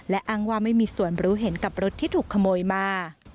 และอ้างว่าไม่มีส่วนรู้เห็นกับรถที่ถูกขโมยมา